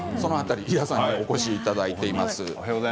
井田さんにお越しいただいています。